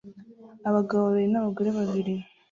Abagabo babiri n'abagore babiri